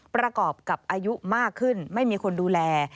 ประกอบกับอายุมากขึ้นไม่มีคนดูแล